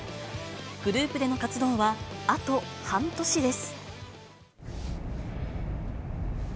グループでの活動は、あと半年です。